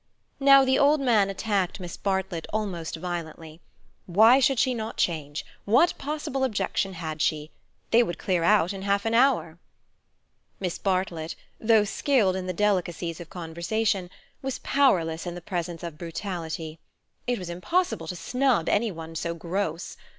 Now the old man attacked Miss Bartlett almost violently: Why should she not change? What possible objection had she? They would clear out in half an hour. Miss Bartlett, though skilled in the delicacies of conversation, was powerless in the presence of brutality. It was impossible to snub any one so gross.